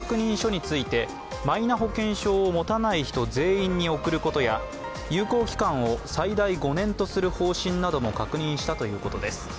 また、出席者によりますと資格確認書についてマイナ保険証を持たない人全員に送ることや有効期間を最大５年とする方針なども確認したということです。